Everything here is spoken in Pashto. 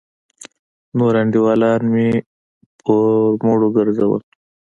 نور انډيولان مې پر مړيو گرځېدل.